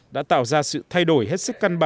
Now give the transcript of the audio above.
đã tạo ra sự thay đổi hết sức